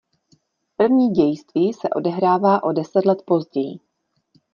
První dějství se odehrává o deset let později.